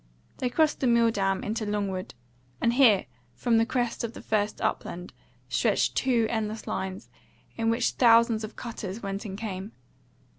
They crossed the Milldam into Longwood; and here, from the crest of the first upland, stretched two endless lines, in which thousands of cutters went and came.